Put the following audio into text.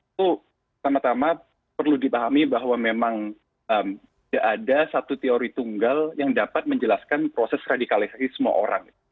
itu pertama tama perlu dipahami bahwa memang tidak ada satu teori tunggal yang dapat menjelaskan proses radikalisasi semua orang